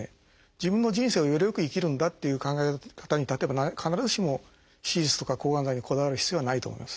自分の人生をゆるく生きるんだっていう考え方に例えば必ずしも手術とか抗がん剤にこだわる必要はないと思います。